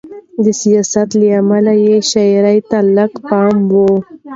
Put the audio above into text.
د سیاست له امله یې شاعرۍ ته لږ پام و.